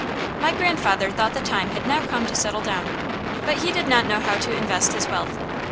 My grandfather thought the time had now come to settle down, but he did not know how to invest his wealth.